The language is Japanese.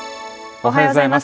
おはようございます。